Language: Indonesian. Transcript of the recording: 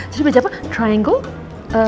jadi belajar apa triangle